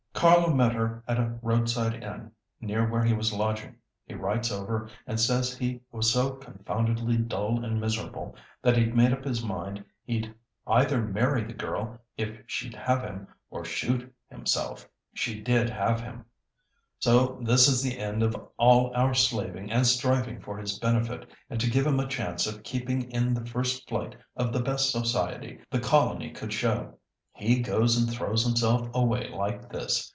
Carlo met her at a roadside inn near where he was lodging. He writes over and says he was so confoundedly dull and miserable that he'd made up his mind he'd either marry the girl if she'd have him, or shoot himself. She did have him. So this is the end of all our slaving and striving for his benefit and to give him a chance of keeping in the first flight of the best society the colony could show. He goes and throws himself away like this.